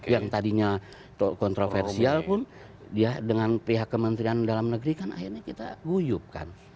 yang tadinya kontroversial pun ya dengan pihak kementerian dalam negeri kan akhirnya kita guyupkan